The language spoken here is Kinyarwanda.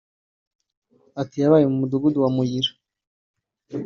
Ati “Yabaye mu mudugudu wa Muyira